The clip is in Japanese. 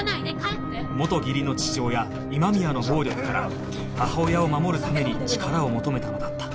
元義理の父親今宮の暴力から母親を守るために力を求めたのだった